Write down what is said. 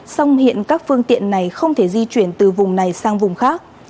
song hiện các phương tiện này không thể di chuyển từ vùng này sang vùng khác